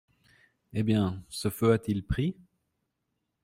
Eh bien, ce feu a-t-il pris ?